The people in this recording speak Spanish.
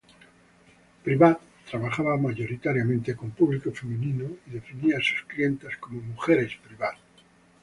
Privat trabajaba mayoritariamente con público femenino y definía a sus clientas como "mujeres Privat".